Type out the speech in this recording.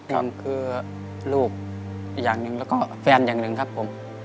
หนึ่งคือลูกอีกอย่างหนึ่งแล้วก็แฟนอย่างหนึ่งครับผม